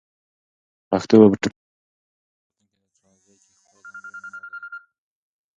پښتو به په ټولو راتلونکو ټکنالوژیو کې خپله ځانګړې مانا ولري.